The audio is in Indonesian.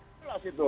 sudah jelas itu